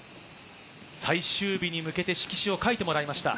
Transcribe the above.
最終日に向けて色紙を書いてもらいました。